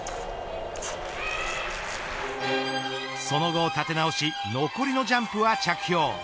その後立て直し残りのジャンプは着氷。